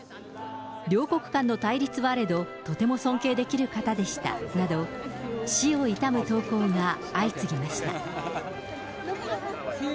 両国間の対立はあれど、とても尊敬できる方でしたなど、死を悼む投稿が相次ぎました。